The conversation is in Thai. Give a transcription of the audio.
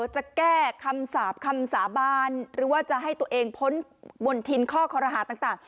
จะแก้คำสาปคำสาบานหรือว่าจะให้ตัวเองพ้นบนทินข้อคอรหาต่าง